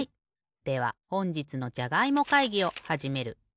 ではほんじつのじゃがいも会議をはじめる。